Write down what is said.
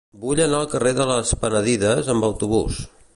Vull anar al carrer de les Penedides amb autobús.